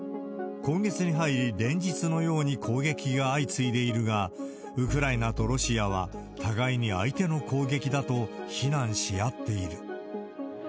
今月に入り、連日のように攻撃が相次いでいるが、ウクライナとロシアは、互いに相手の攻撃だと非難し合っている。